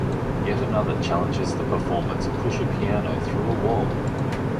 Yet another challenges the performer to push a piano through a wall.